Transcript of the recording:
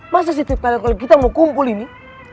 masa sih trik trik kalau kita mau kumpul ini